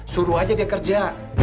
suruh aja dia kerja